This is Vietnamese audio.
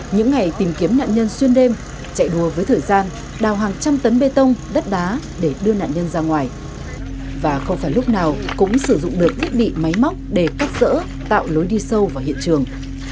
những ngày tìm kiếm nạn nhân xuyên đêm chạy đua với thời gian đào hàng trăm tấn bê tông đất đá để đưa nạn nhân ra ngoài và không phải lúc nào cũng sử dụng được thiết bị máy móc để cắt dỡ tạo lối đi sâu vào hiện trường